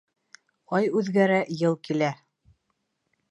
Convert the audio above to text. Ай үҙгәрә йыл килә.